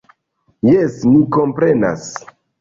Jes, ni komprenas.